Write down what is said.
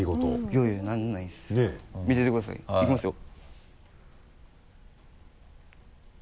いやいやならないです見ててくださいいきますよ。